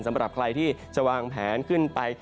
สำหรับใครที่จะวางแผนขึ้นไป